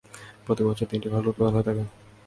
প্রতি বছর তিনটি ফসল উৎপাদন হয়ে থাকে।